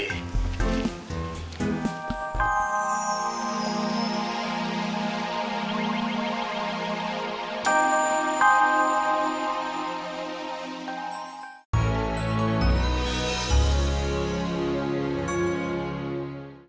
terima kasih pak